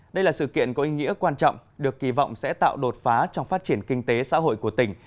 đây là sự kiện có ý nghĩa quan trọng được kỳ vọng sẽ tạo đột phá trong phát triển kinh tế xã hội của tỉnh